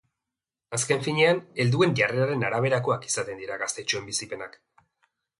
Azken finean, helduen jarreraren araberakoak izaten dira gaztetxoen bizipenak.